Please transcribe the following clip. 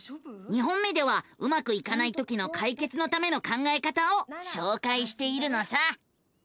２本目ではうまくいかないときの解決のための考えた方をしょうかいしているのさ。